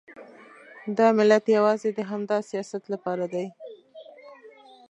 دا ملت یوازې د همدا سیاست لپاره دی.